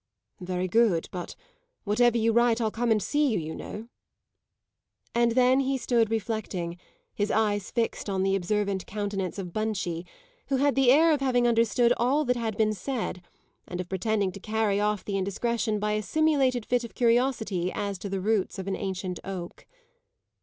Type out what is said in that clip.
"Very good; but whatever you write I'll come and see you, you know." And then he stood reflecting, his eyes fixed on the observant countenance of Bunchie, who had the air of having understood all that had been said and of pretending to carry off the indiscretion by a simulated fit of curiosity as to the roots of an ancient oak.